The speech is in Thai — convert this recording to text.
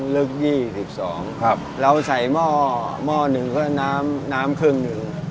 ลึกยี่สิบสองครับเราใส่หม้อหม้อหนึ่งก็น้ำน้ำครึ่งหนึ่ง